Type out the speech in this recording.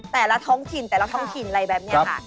แต่ละท้องสิ่งอะไรแบบนี้ค่ะ